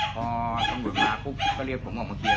พอถ้านะคะแบบต้องกดออกมากบดก็เรียกผมออกมาเกี่ยว